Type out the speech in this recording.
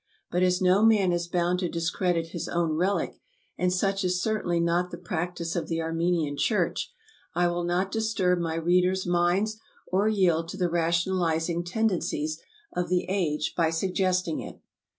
But as no man is bound to discredit his own relic, and such is certainly not the practice of the Armenian Church, I will not disturb my readers' minds or yield to the rationalizing tendencies of the age by suggesting it.